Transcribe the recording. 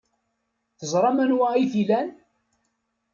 Teẓram anwa ay t-ilan.